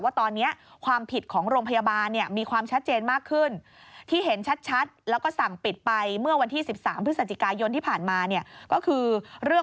ว่าตอนนี้ความผิดของโรงพยาบาลมีความชัดเจนมากขึ้น